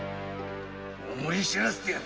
大岡に思い知らせてやる‼